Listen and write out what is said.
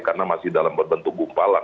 untuk bentuk gumpalan